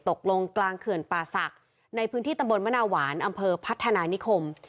กลางเขื่อนป่าศักดิ์ในพื้นที่ตำบลมะนาหวานอำเภอพัฒนานิคม